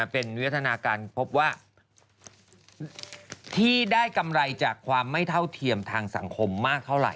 เป็นวิวัฒนาการพบว่าที่ได้กำไรจากความไม่เท่าเทียมทางสังคมมากเท่าไห